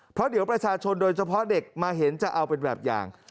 เพราะเดี๋ยวประชาชนโดยเฉพาะเด็กมาเห็นจะเอาเป็นแบบอย่าง